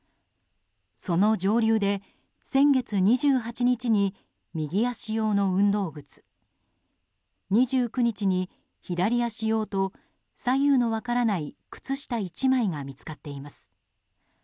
その上流で先月２８日に右足用の運動靴２９日に左足用と左右の分からない靴下１枚が見つかっています。